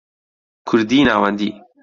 کوردیی ناوەندی